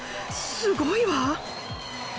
すごいわ！